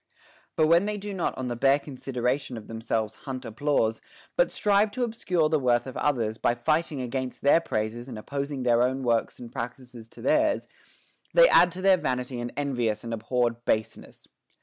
But when they do not on the bare consideration of them selves hunt applause, but strive to obscure the worth of others, by fighting against their praises and opposing their own works and practices to theirs, they add to their vanity an envious and abhorred baseness.